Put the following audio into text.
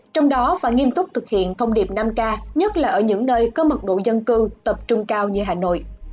trong đó và nghiêm túc thực hiện thông điệp năm k nhất là ở những nơi có mật độ dân cư tập trung cao như hà nội